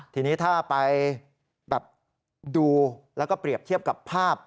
ทีนี้ถ้าไปแบบดูแล้วก็เปรียบเทียบกับภาพ